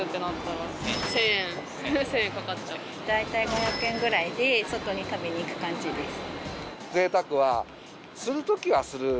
大体５００円ぐらいで外に食べに行く感じです。